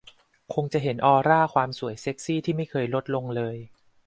คงจะเห็นออร่าความสวยเซ็กซี่ที่ไม่เคยลดลงเลย